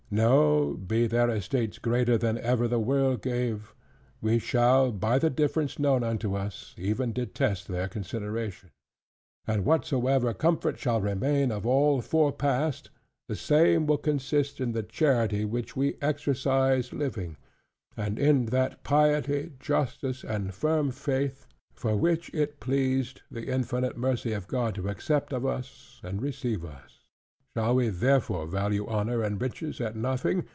No, be their estates greater than ever the world gave, we shall (by the difference known unto us) even detest their consideration. And whatsoever comfort shall remain of all forepast, the same will consist in the charity which we exercised living; and in that piety, justice, and firm faith, for which it pleased the infinite mercy of God to accept of us, and receive us. Shall we therefore value honor and riches at nothing?